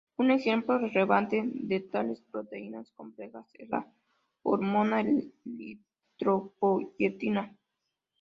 Un ejemplo relevante de tales proteínas complejas es la hormona eritropoyetina.